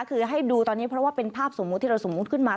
คือให้ดูตอนนี้เพราะว่าเป็นภาพสมมุติที่เราสมมุติขึ้นมา